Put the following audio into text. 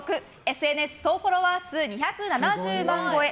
ＳＮＳ総フォロワー数２７０万超え。